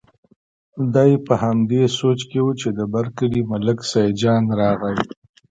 دی په همدې سوچ کې و چې د بر کلي ملک سیدجان راغی.